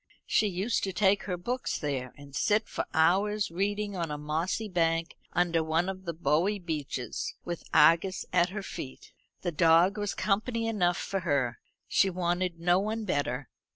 She used to take her books there, and sit for hours reading on a mossy bank under one of the boughy beeches, with Argus at her feet. The dog was company enough for her. She wanted no one better.